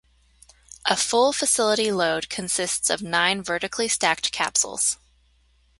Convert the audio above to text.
A full facility load consists of nine vertically stacked capsules.